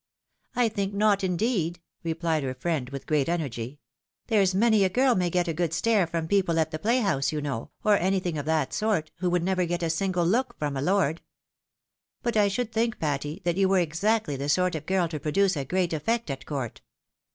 " I think not, indeed," replied her friend, with great energy. " There's many a girl may get a good stare from people at the playhouse, you know, or anything of that sort, who would never get a single look from a lord. But I should think, Patty, that you were exactly the sort of girl to produce a great effect at court.